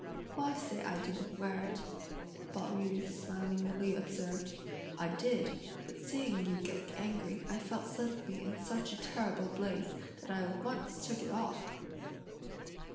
"Why say I didn't wear it?" Pao yü smilingly observed. "I did, but seeing you get angry I felt suddenly in such a terrible blaze, that I at once took it off!"